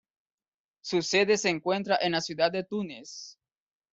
Su sede se encuentra en la ciudad de Túnez.